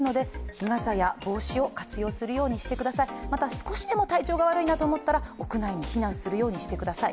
少しでも体調が悪いと思ったら、屋内に避難するようにしてください。